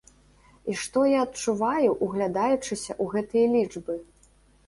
І што я адчуваю, углядаючыся ў гэтыя лічбы?